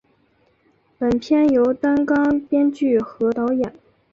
本片由担纲编剧和导演。